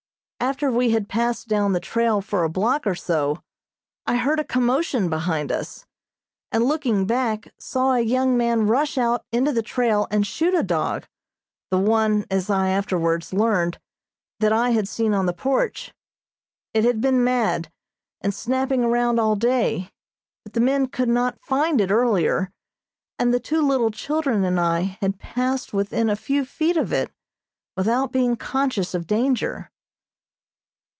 After we had passed down the trail for a block or so, I heard a commotion behind us, and looking back saw a young man rush out into the trail and shoot a dog, the one, as I afterwards learned, that I had seen on the porch. It had been mad, and snapping around all day, but the men could not find it earlier, and the two little children and I had passed within a few feet of it without being conscious of danger.